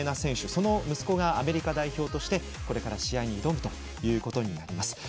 その息子がアメリカ代表として試合に挑むことになります。